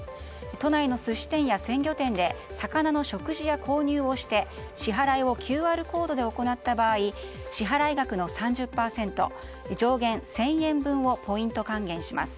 都内の寿司店や鮮魚店で魚の食事や購入をして支払いをＱＲコードで行った場合、支払額の３０％上限１０００円分をポイント還元します。